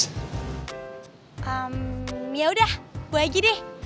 ehm yaudah gue lagi deh